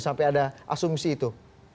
sampai ada asumsi itu